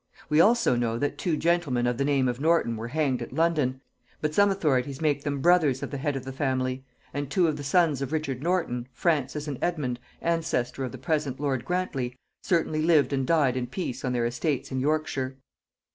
We also know that two gentlemen of the name of Norton were hanged at London: but some authorities make them brothers of the head of the family; and two of the sons of Richard Norton, Francis, and Edmund ancestor of the present lord Grantley, certainly lived and died in peace on their estates in Yorkshire.